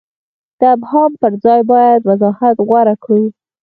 د ابهام پر ځای باید وضاحت غوره کړو.